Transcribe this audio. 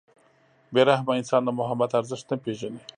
• بې رحمه انسان د محبت ارزښت نه پېژني.